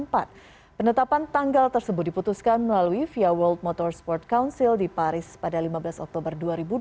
penetapan tanggal tersebut diputuskan melalui via world motorsport council di paris pada lima belas oktober dua ribu dua puluh